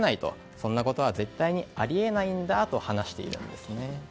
そんなことは絶対にあり得ないんだと話しているんですね。